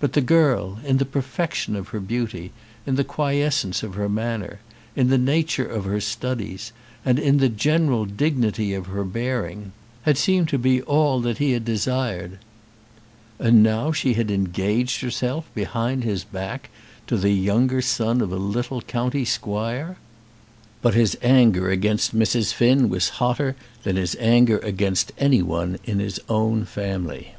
But the girl, in the perfection of her beauty, in the quiescence of her manner, in the nature of her studies, and in the general dignity of her bearing, had seemed to be all that he had desired. And now she had engaged herself, behind his back, to the younger son of a little county squire! But his anger against Mrs. Finn was hotter than his anger against any one in his own family.